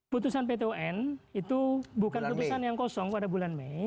putusan pt un itu bukan putusan yang kosong pada bulan mei